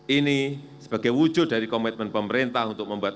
ini sebagai wujud dari komitmen pemerintah untuk membuat